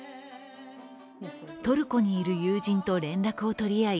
トルコにいる友人と連絡を取り合い